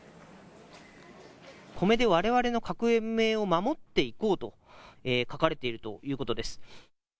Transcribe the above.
コメでわれわれの革命を守っていこうと書かれているというこ